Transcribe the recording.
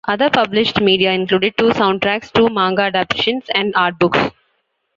Other published media included two soundtracks, two manga adaptions and art books.